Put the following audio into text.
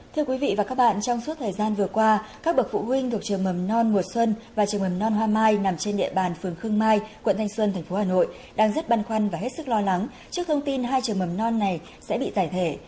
thưa quý vị và các bạn trong suốt thời gian vừa qua các bậc phụ huynh thuộc trường mầm non mùa xuân và trường mầm non hoa mai nằm trên địa bàn phường khương mai quận thanh xuân tp hà nội đang rất băn khoăn và hết sức lo lắng trước thông tin hai trường mầm non này sẽ bị giải thể